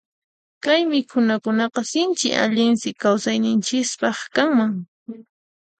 Kay mikhunakunaqa sinchi allinsi kawsayninchispaq kanman.